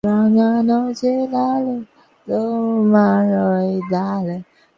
না খুঁজিলেও পাওয়া যাইবে।